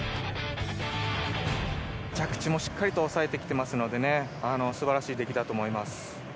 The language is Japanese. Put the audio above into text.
着地もしっかりと抑えてきてますのでね素晴らしい出来だと思います。